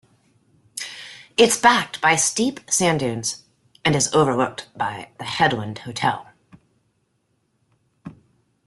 It is backed by steep sand dunes and is overlooked by the "Headland Hotel".